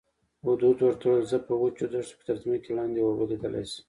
هدهد ورته وویل زه په وچو دښتو کې تر ځمکې لاندې اوبه لیدلی شم.